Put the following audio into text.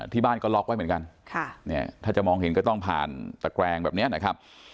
ที่บ้านก็ล็อกไว้เหมือนกันถ้าจะมองเห็นก็ต้องผ่านตะแกรงแบบนี้นะครับ